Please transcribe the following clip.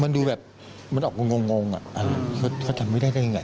มันดูแบบมันออกงงอ่ะเขาจำไม่ได้ได้ยังไง